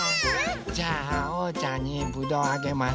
じゃあおうちゃんにぶどうあげます。